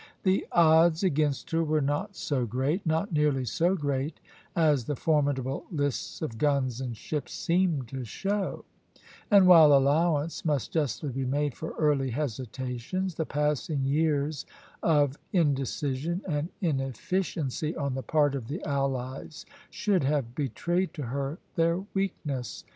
The odds against her were not so great not nearly so great as the formidable lists of guns and ships seemed to show; and while allowance must justly be made for early hesitations, the passing years of indecision and inefficiency on the part of the allies should have betrayed to her their weakness.